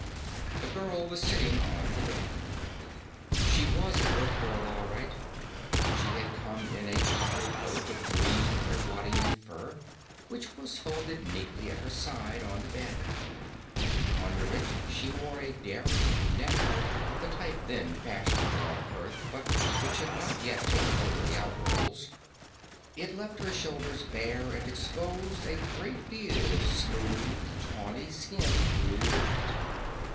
The girl was sitting on the bed. She was an Earthgirl, all right. She had come in a toggle cloak of green Irwadian fur, which was folded neatly at her side on the bed. Under it she wore a daring net halter of the type then fashionable on Earth but which had not yet taken over the outworlds. It left her shoulders bare and exposed a great deal of smooth, tawny skin through the net.